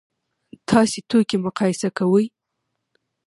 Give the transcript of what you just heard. تاسو توکي مقایسه کوئ؟